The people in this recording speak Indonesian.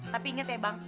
tapi inget ya bang